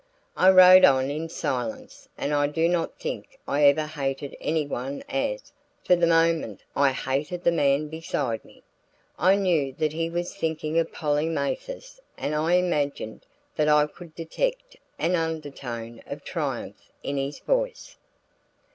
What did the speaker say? I rode on in silence and I do not think I ever hated anyone as, for the moment, I hated the man beside me. I knew that he was thinking of Polly Mathers, and I imagined that I could detect an undertone of triumph in his voice.